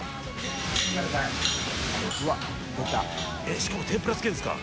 しかも天ぷら付けるんですか？